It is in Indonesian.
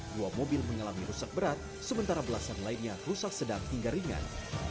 dua mobil mengalami rusak berat sementara belasan lainnya rusak sedang hingga ringan